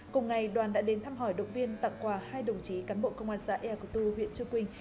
cùng ngày đoàn đã đến thăm hỏi động viên tặng quà hai đồng chí cán bộ công an xã ea cửu tư huyện trương quỳnh